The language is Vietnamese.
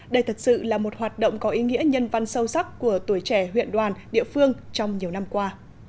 đây thật sự là một hoạt động có ý nghĩa nhân văn sâu sắc của tuổi trẻ huyện đoàn địa phương trong nhiều năm qua